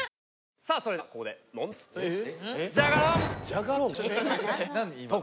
さあそれではここで問題です。